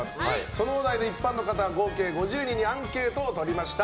そのお題で一般の方合計５０人にアンケートを取りました。